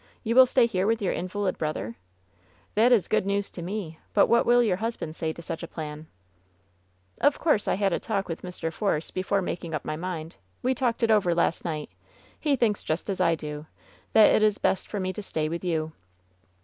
You will stay here with your invalid brother ? That is good news to me, but what will your husband say to such a plan V^ "Of course I had a talk with Mr. Porce before mak ing up my mind. We talked it over last night. He thinks just as I do— that it is best for me to stay with you.''